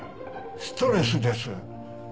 ストレスです。